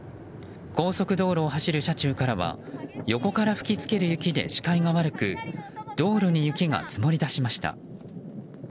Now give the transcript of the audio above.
高速道路を走る車中からは横から吹き付ける雪で視界が悪く道路に雪が積もりだしました。